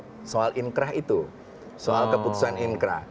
maka itu harus ada soal inkrah itu soal keputusan inkrah